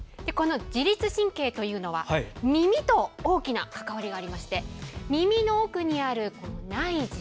自律神経というのは耳と大きな関わりがありまして耳の奥にある内耳。